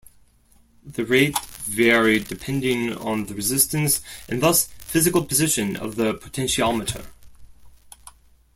The rate varied depending on the resistance, and thus physical position, of the potentiometer.